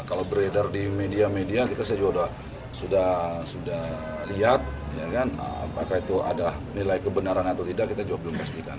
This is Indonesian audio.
kalau beredar di media media kita saya juga sudah lihat apakah itu ada nilai kebenaran atau tidak kita juga belum pastikan